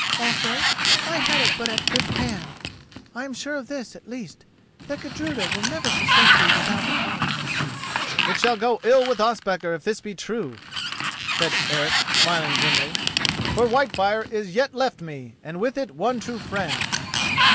Also I had it but at fifth hand. I am sure of this, at least, that Gudruda will never forsake thee without a cause." "It shall go ill with Ospakar if this be true," said Eric, smiling grimly, "for Whitefire is yet left me and with it one true friend."